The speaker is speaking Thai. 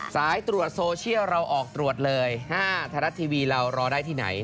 สายตรวจโซเชียลเราออกตรวจเลย๕ไทยรัฐทีวีเรารอได้ที่ไหน